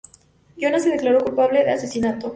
Jones se declaró culpable de asesinato.